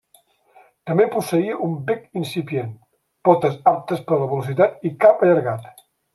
També posseïa un bec incipient, potes aptes per a la velocitat i cap allargat.